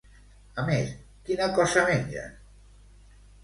A més, quina cosa mengen?